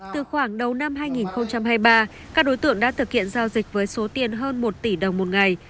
từ khoảng đầu năm hai nghìn hai mươi ba các đối tượng đã thực hiện giao dịch với số tiền hơn một tỷ đồng một ngày